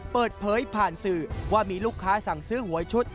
เปิดเผยผ่านสื่อว่ามีลูกค้าสั่งซื้อหวยชุด